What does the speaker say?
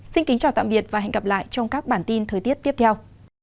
xin kính chào tạm biệt và hẹn gặp lại trong các bản tin thời tiết tiếp theo